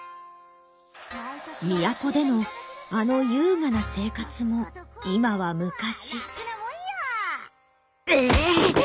都でのあの優雅な生活も今は昔。